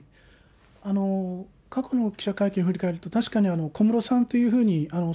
過去の記者会見を振り返ると、確かに小室さんというふうにおっ